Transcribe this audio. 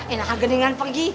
enak agen dengan pergi